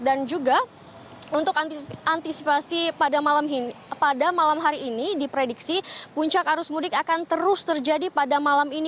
dan juga untuk antisipasi pada malam hari ini di prediksi puncak arus mudik akan terus terjadi pada malam ini